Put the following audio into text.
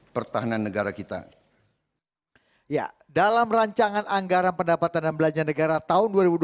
pertahanan negara kita ya dalam rancangan anggaran pendapatan dan belanja negara tahun